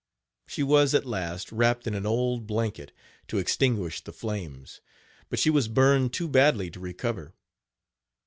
She was at last wrapped in an old blanket, to extinguish the flames; but she was burned too badly to recover.